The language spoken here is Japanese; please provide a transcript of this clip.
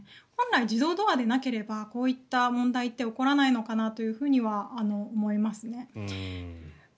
本来、自動ドアでなければこういった問題って起こらないのかなというふうには思いますね。